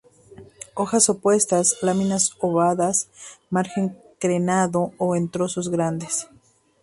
Hojas opuestas, láminas ovadas, margen crenado o en trozos grandes.